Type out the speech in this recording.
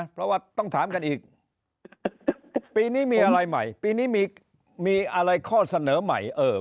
เพราะว่าต้องถามกันอีกปีนี้มีอะไรใหม่ปีนี้มีอะไรข้อเสนอใหม่